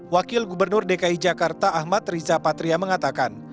wakil gubernur dki jakarta ahmad riza patria mengatakan